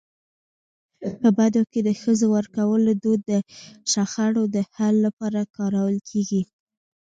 په بدو کي د ښځو ورکولو دود د شخړو د حل لپاره کارول کيږي.